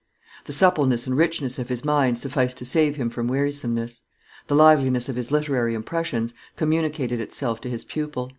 The suppleness and richness of his mind sufficed to save him from wearisomeness; the liveliness of his literary impressions communicated itself to his pupil.